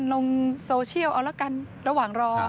ลงโซเชียลเอาละกันระหว่างรอ